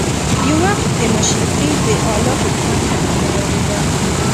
یو وخت د مشرقي د اعلی حکومت په نامه یادېده.